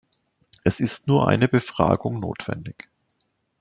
Es ist nur eine Befragung notwendig.